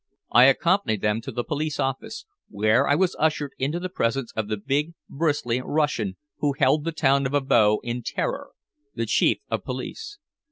I accompanied them to the police office, where I was ushered into the presence of the big, bristly Russian who held the town of Abo in terror, the Chief of Police.